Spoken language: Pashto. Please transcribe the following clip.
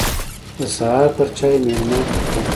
د سهار پر چايو مېلمه کړم.